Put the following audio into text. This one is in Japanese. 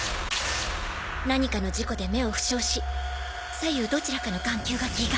何かの事故で目を負傷し左右どちらかの眼球が義眼。